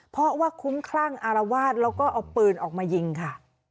เพราะว่าคุ้มคลั่งอารวาสแล้วก็เอาปืนออกมายิงค่ะ